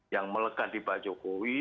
yang melekat di pak jokowi